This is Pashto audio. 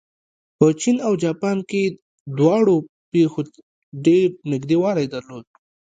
په چین او جاپان کې دواړو پېښو ډېر نږدېوالی درلود.